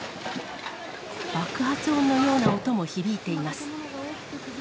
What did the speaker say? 爆発音のような音も響いています。